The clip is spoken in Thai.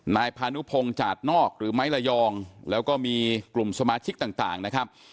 นายพานุพงศ์จาดนอกหรือไม้ระยองแล้วก็มีกลุ่มสมาชิกต่างนะครับ